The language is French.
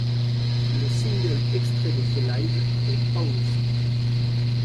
Le single extrait de ce live est Owls.